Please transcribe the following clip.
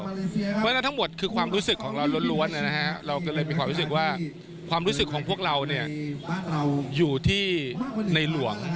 เพราะฉะนั้นทั้งหมดคือความรู้สึกของเราล้วนเราก็เลยมีความรู้สึกว่าความรู้สึกของพวกเราอยู่ที่ในหลวง